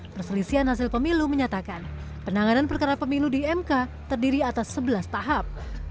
perselisian hasil pemilu menyatakan penanganan perkara pemilu di mk terdiri atas sebelas tahap